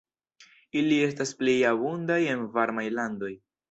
Ili estas pli abundaj en varmaj landoj.